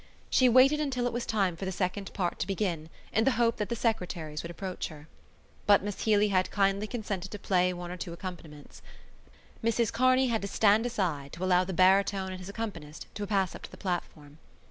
She waited until it was time for the second part to begin in the hope that the secretaries would approach her. But Miss Healy had kindly consented to play one or two accompaniments. Mrs Kearney had to stand aside to allow the baritone and his accompanist to pass up to the platform.